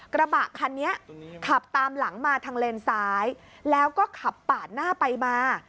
กระบะคันนี้ขับตามหลังมาทางเลนซ้ายแล้วก็ขับปาดหน้าไปมา